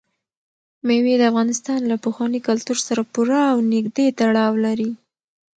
مېوې د افغانستان له پخواني کلتور سره پوره او نږدې تړاو لري.